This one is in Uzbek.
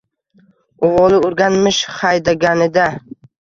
Uvoli urganmish xaydaganida